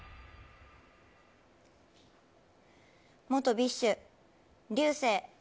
元ＢｉＳＨ、竜青。